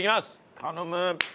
頼む！